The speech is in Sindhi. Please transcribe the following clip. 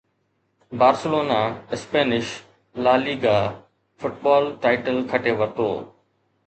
Barcelona Spanish La Liga football title کٽي ورتو